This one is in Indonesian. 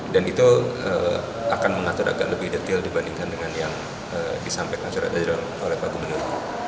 dan itu akan mengatur agak lebih detail dibandingkan dengan yang disampaikan surat edaran oleh pak gubernur